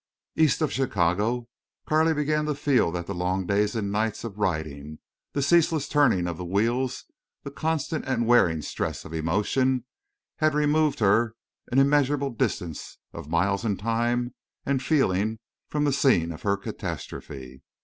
East of Chicago Carley began to feel that the long days and nights of riding, the ceaseless turning of the wheels, the constant and wearing stress of emotion, had removed her an immeasurable distance of miles and time and feeling from the scene of her catastrophe.